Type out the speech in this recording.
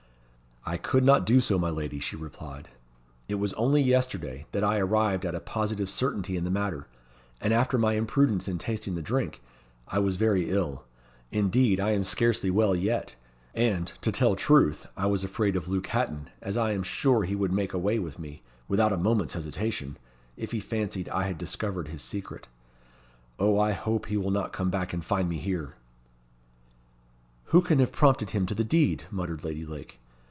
"I could not do so, my lady," she replied. "It was only yesterday that I arrived at a positive certainty in the matter, and after my imprudence in tasting the drink, I was very ill indeed I am scarcely well yet; and, to tell truth, I was afraid of Luke Hatton, as I am sure he would make away with me, without a moment's hesitation, if he fancied I had discovered his secret. Oh, I hope he will not come back and find me here." "Who can have prompted him to the deed?" muttered Lady Lake.